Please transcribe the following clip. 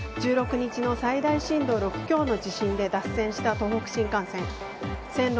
１６日の最大震度６強の地震で脱線した東北新幹線。